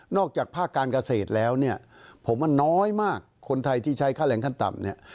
อกจากภาคการเกษตรแล้วเนี่ยผมว่าน้อยมากคนไทยที่ใช้ค่าแรงขั้นต่ำเนี่ย